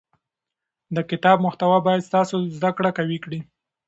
د کتاب محتوا باید ستاسو زده کړه قوي کړي.